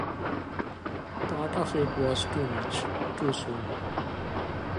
Part of it was too much, too soon.